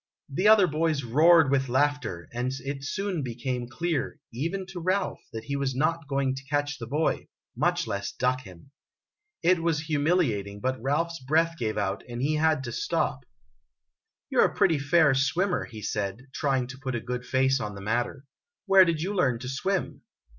The other boys roared with laughter, and it soon became clear, even to Ralph, that he was not going to catch the boy much less duck him. It was humiliating, but Ralph's breath gave out, and he had to stop. "You 're a pretty fair swimmer," he said, trying to put a good face on the matter. "Where did you learn to swim?'